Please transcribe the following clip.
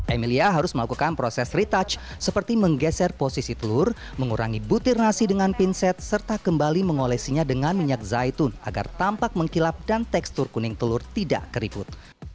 emilia harus melakukan proses retouch seperti menggeser posisi telur mengurangi butir nasi dengan pinset serta kembali mengolesinya dengan minyak zaitun agar tampak mengkilap dan tekstur kuning telur tidak keriput